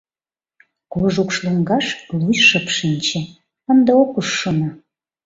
Кож укш лоҥгаш луй шып шинче: ынде ок уж, шона.